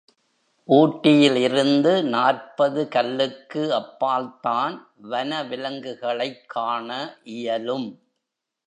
ஊட்டியிலிருந்து நாற்பது கல்லுக்கு அப்பால் தான் வனவிலங்குகளைக் காண இயலும்.